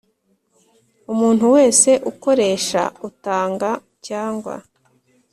Umuntu wese ukoresha utanga cyangwa